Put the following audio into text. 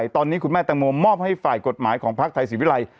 ตอนนี้คุณแม่ตะโมมมอบให้ฝ่ายกฎหมายของภักษ์ไทยสิบวิไลน์